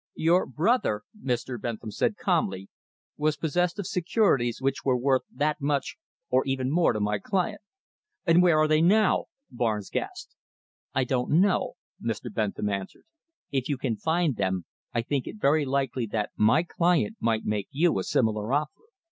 "Your brother," Mr. Bentham said calmly, "was possessed of securities which were worth that much or even more to my client." "And where are they now?" Barnes gasped. "I do not know," Mr. Bentham answered. "If you can find them, I think it very likely that my client might make you a similar offer."